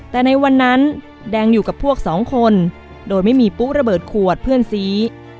แต่ในวันนั้นแดงอยู่กับพวกสองคนโดยไม่มีปุ๊ระเบิดขวดเพื่อนสี